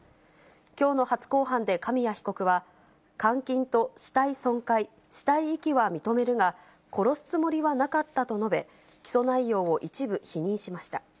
きょうの初公判で紙谷被告は、監禁と死体損壊、死体遺棄は認めるが、殺すつもりはなかったと述べ、起訴内容を一部否認しました。